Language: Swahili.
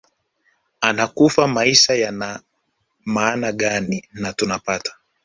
anakufa maisha yana maana gani au tunapata